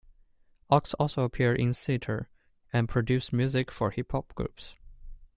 Ox also appeared in theatre, and produced music for hip hop groups.